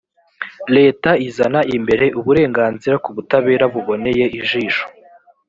leta izana imbere uburenganzira ku butabera buboneye ijisho.